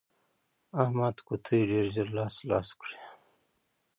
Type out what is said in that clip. احمد قطعې ډېر ژر لاس لاس کړې.